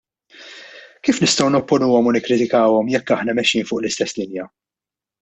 Kif nistgħu nopponuhom u nikkritikawhom jekk aħna mexjin fuq l-istess linja?